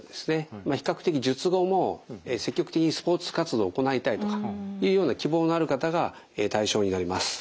比較的術後も積極的にスポーツ活動を行いたいとかいうような希望がある方が対象になります。